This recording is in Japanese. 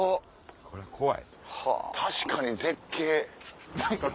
確かに絶景。